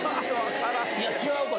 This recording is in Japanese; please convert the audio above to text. いや違うか。